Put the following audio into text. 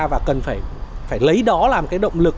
và cần phải lấy đó làm động lực